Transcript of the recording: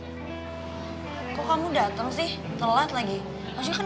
awe budak budak kamu bisa tuh bilang jangan datang